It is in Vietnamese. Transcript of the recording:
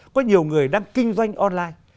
có nhiều người đang kinh doanh online